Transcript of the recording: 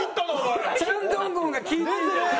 チャン・ドンゴンが効いてるんじゃない？